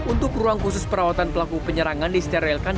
untuk ruang khusus perawatan pelaku penyerangan disterilkan